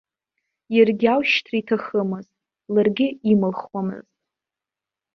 Иаргьы аушьҭра иҭахымызт, ларгьы имылхуамызт.